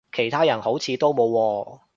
其他人好似都冇喎